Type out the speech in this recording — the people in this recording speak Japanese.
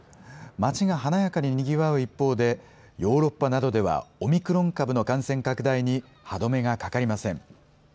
街が華やかににぎわう一方で、ヨーロッパなどではオミクロン株の感染拡大に歯止めがかかりません。